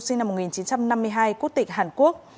sinh năm một nghìn chín trăm năm mươi hai quốc tịch hàn quốc